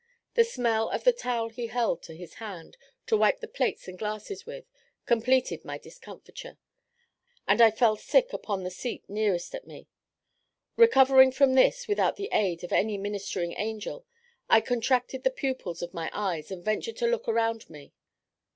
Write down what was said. The smell of the towel he held in his hand, to wipe the plates and glasses with, completed my discomfiture; and I fell sick upon the seat nearest at me. Recovering from this, without the aid of any "ministering angel," I contracted the pupils of my eyes, and ventured to look around me.